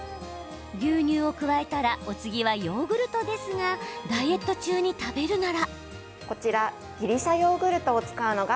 牛乳を加えたらお次はヨーグルトですがダイエット中に食べるなら。